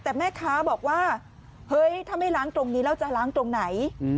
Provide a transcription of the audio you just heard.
แต่แม่ค้าบอกว่าเฮ้ยถ้าไม่ล้างตรงนี้แล้วจะล้างตรงไหน